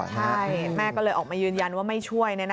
ใช่แม่ก็เลยออกมายืนยันว่าไม่ช่วย